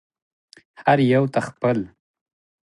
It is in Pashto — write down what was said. هر یوه ته خپل